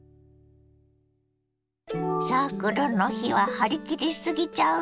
サークルの日は張り切り過ぎちゃうわね。